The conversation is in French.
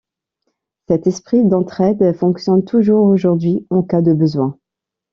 Cet esprit d'entraide fonctionne toujours aujourd'hui en cas de besoin.